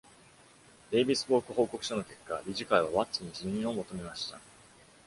デイビス・ポーク報告書の結果、理事会はワッツに辞任を求めました。